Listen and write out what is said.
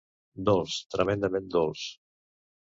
Dolç, tremendament dolç.